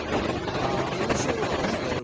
紅しょうがを添える感じのね。